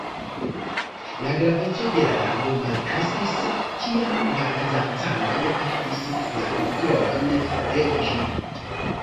La graveco de la lago malkreskis, kiam la bizancanoj perdis la kontrolon de ĝi.